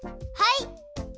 はい！